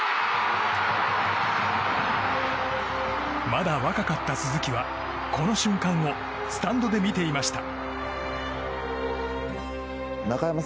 まだ若かった鈴木は、この瞬間をスタンドで見ていました。